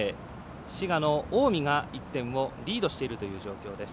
滋賀の近江が１点をリードしているという状況です。